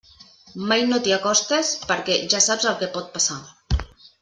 Mai no t'hi acostes perquè ja saps el que pot passar.